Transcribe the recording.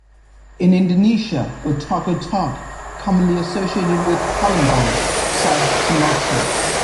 In Indonesia, otak-otak commonly associated with Palembang, South Sumatra.